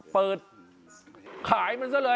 เปิดขายมันซะเลย